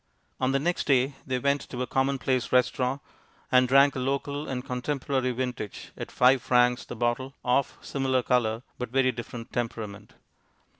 On the next day they went to a commonplace restaurant and drank a local and contemporary vintage at five francs the bottle, of similar colour but very different temperament.